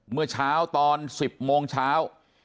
เมื่อเช้าตอน๑๐โมงเช้า